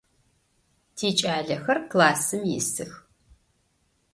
Тикӏалэхэр классым исых.